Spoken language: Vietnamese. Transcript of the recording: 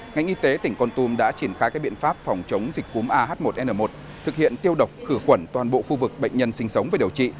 ngành y tế tỉnh con tum đã triển khai các biện pháp phòng chống dịch cúm ah một n một thực hiện tiêu độc khử quẩn toàn bộ khu vực bệnh nhân sinh sống về điều trị